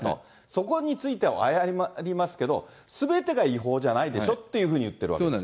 そこについては謝りますけど、すべてが違法じゃないでしょっていうふうに言ってるわけですか。